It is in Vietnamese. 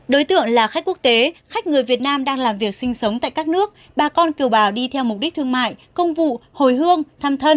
đối tượng là khách quốc tế khách người việt nam đang làm việc sinh sống tại các nước bà con kiều bào đi theo mục đích thương mại công vụ hồi hương thăm thân